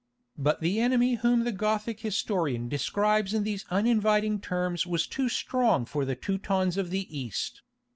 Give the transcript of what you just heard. But the enemy whom the Gothic historian describes in these uninviting terms was too strong for the Teutons of the East.